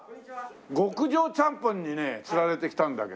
極上ちゃんぽんにねつられて来たんだけど。